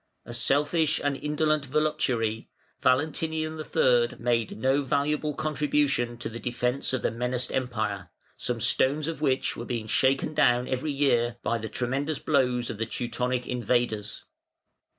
A selfish and indolent voluptuary, Valentinian III. made no valuable contribution to the defence of the menaced Empire, some stones of which were being shaken down every year by the tremendous blows of the Teutonic invaders.